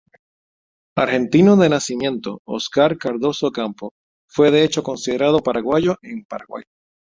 Argentino de nacimiento, Oscar Cardozo Ocampo fue, de hecho, considerado paraguayo en Paraguay.